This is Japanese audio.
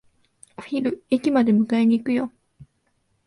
お昼、駅まで迎えに行くよ。